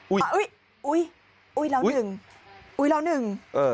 อุ๊ยเราหนึ่งเราหนึ่ง